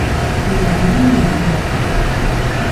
Сирләмәйем мин, инәкәйем!